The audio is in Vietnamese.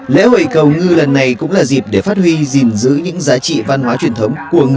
lễ hội cầu ngư lần này cũng là dịp để phát huy gìn giữ những giá trị văn hóa truyền thống của người